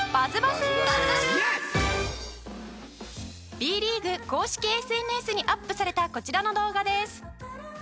Ｂ リーグ公式 ＳＮＳ にアップされたこちらの動画です